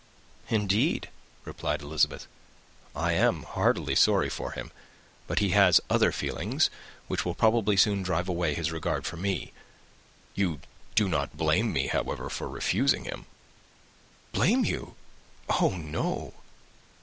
"Indeed," replied Elizabeth, "I am heartily sorry for him; but he has other feelings which will probably soon drive away his regard for me. You do not blame me, however, for refusing him?" "Blame you! Oh, no."